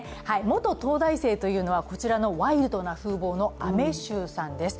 元東大生というのはこちらのワイルドな風貌の、雨柊さんです。